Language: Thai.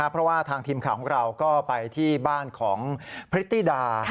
เพราะว่าทางทีมข่าวของเราก็ไปที่บ้านของพริตตี้ดา